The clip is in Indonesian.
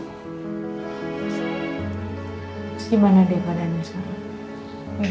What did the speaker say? gimana deh keadaannya sekarang